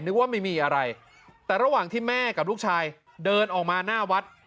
ว่าไม่มีอะไรแต่ระหว่างที่แม่กับลูกชายเดินออกมาหน้าวัด